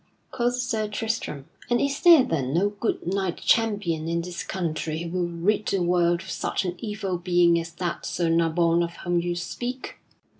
quoth Sir Tristram, "and is there then no good knight champion in this country who will rid the world of such an evil being as that Sir Nabon of whom you speak?"